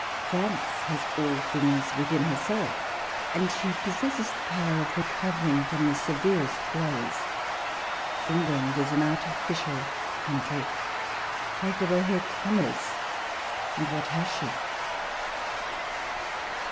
France has all things within her self ; and she possesses the power of recovering from the severest blows. England is an artificial country : take away her commerce, and what has she